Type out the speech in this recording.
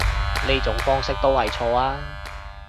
呢種方式都係錯啊